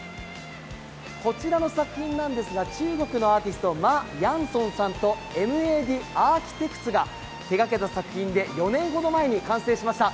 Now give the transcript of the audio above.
こちらの作品なんですが、中国のアーティスト、マ・ヤンソンさんとＭＡＤアーキテクツがコラボした作品で完成しました。